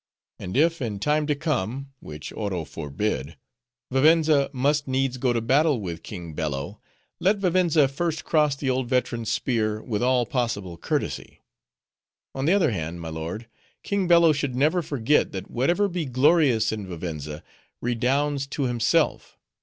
And if in time to come, which Oro forbid, Vivenza must needs go to battle with King Bello, let Vivenza first cross the old veteran's spear with all possible courtesy. On the other hand, my lord, King Bello should never forget, that whatever be glorious in Vivenza, redounds to himself.